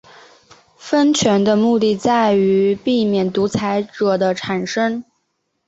分权的目的在于避免独裁者的产生。